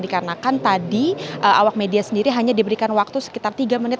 dikarenakan tadi awak media sendiri hanya diberikan waktu sekitar tiga menit